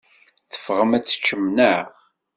Teffɣem ad teččem, naɣ?